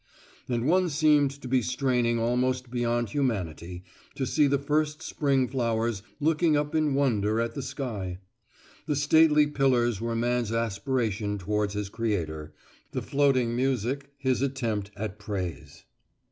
And one seemed to be straining almost beyond humanity, to see the first spring flowers looking up in wonder at the sky. The stately pillars were man's aspiration towards his Creator, the floating music his attempt at praise.